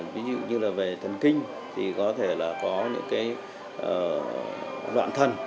ví dụ như về thần kinh thì có thể là có những đoạn thần